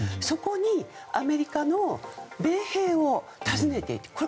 そこに、アメリカの米兵を訪ねていく。